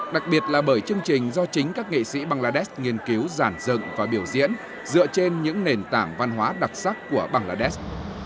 đặc biệt là bởi chương trình do chính các nghệ sĩ bangladesh nghiên cứu giản dựng và biểu diễn dựa trên những nền tảng văn hóa đặc sắc của bangladesh